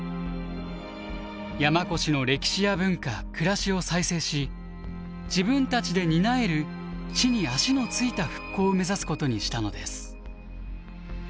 山古志の歴史や文化暮らしを再生し自分たちで担える地に足のついた復興を目指すことにしたのです。